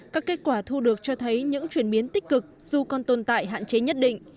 các kết quả thu được cho thấy những chuyển biến tích cực dù còn tồn tại hạn chế nhất định